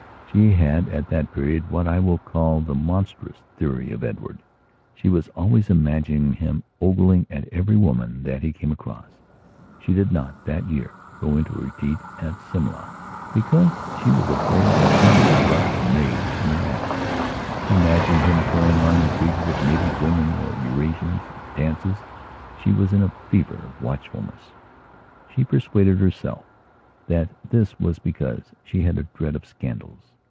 She had at that period what I will call the "monstrous" theory of Edward. She was always imagining him ogling at every woman that he came across. She did not, that year, go into "retreat" at Simla because she was afraid that he would corrupt her maid in her absence. She imagined him carrying on intrigues with native women or Eurasians. At dances she was in a fever of watchfulness. She persuaded herself that this was because she had a dread of scandals.